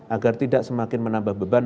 agar tidak semakin menambah beban